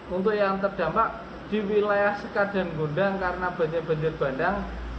untuk yang terdampak di wilayah sekadang gondang karena banjir banjir bandang